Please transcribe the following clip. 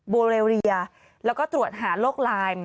โบเรเรียแล้วก็ตรวจหาโลกไลน์